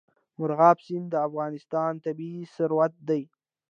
مورغاب سیند د افغانستان طبعي ثروت دی.